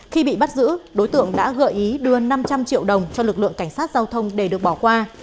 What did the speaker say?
khi bị bắt giữ đối tượng đã gợi ý đưa năm trăm linh triệu đồng cho lực lượng cảnh sát giao thông để được bỏ qua